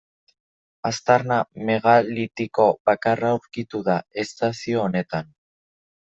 Aztarna megalitiko bakarra aurkitu da estazio honetan.